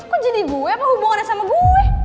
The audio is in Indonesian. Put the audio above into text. aku jadi gue apa hubungannya sama gue